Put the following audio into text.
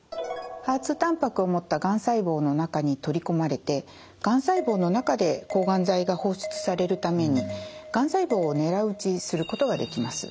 ２たんぱくを持ったがん細胞の中に取り込まれてがん細胞の中で抗がん剤が放出されるためにがん細胞を狙い撃ちすることができます。